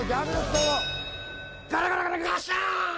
どうぞガラガラガラガシャーン！